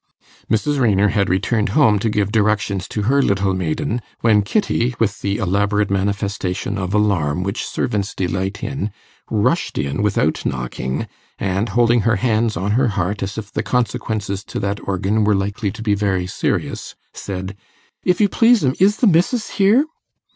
Mrs. Raynor had returned home to give directions to her little maiden, when Kitty, with the elaborate manifestation of alarm which servants delight in, rushed in without knocking, and, holding her hands on her heart as if the consequences to that organ were likely to be very serious, said, 'If you please 'm, is the missis here?